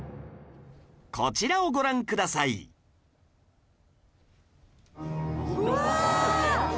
こちらをご覧くださいうわ！